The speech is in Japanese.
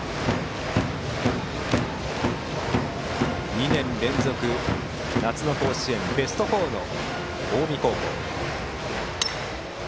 ２年連続夏の甲子園ベスト４の近江高校。